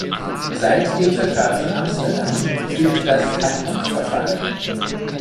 Seit dem Vertrag von Amsterdam gilt das Ad-hoc-Verfahren.